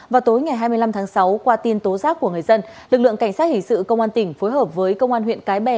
vào tối ngày hai mươi năm tháng sáu qua tin tố giác của người dân lực lượng cảnh sát hình sự công an tỉnh phối hợp với công an huyện cái bè